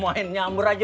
main nyamber aja